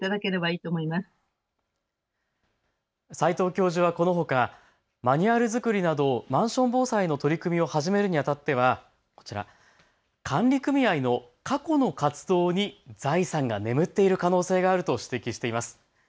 齊籐教授はこのほかマニュアル作りなどマンション防災の取り組みを始めるにあたっては管理組合の過去の活動に財産が眠っている可能性があると指摘しています。